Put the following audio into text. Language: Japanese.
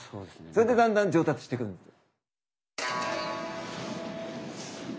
それでだんだん上達してくるんです。